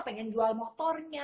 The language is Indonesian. pengen jual motornya